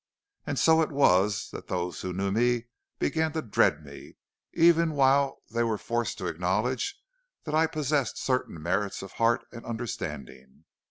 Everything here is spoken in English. And so it was that those who knew me began to dread me, even while they were forced to acknowledge that I possessed certain merits of heart and understanding.